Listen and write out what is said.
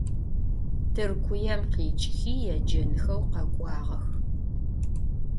Tırkuêm khiç'ıxi yêcenxeu khek'uağex.